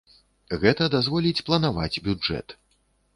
Гэта дазволіць планаваць бюджэт.